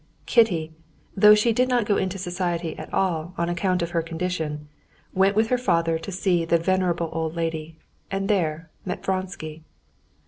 Kitty, though she did not go into society at all on account of her condition, went with her father to see the venerable old lady, and there met Vronsky.